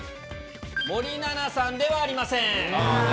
森七菜さんではありません。